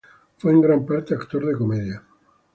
Fue en gran parte actor de comedia.